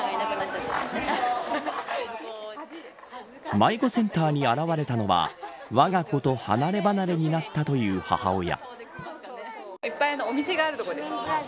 迷子センターに現れたのはわが子と離ればなれになったという母親。